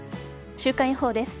週間予報です。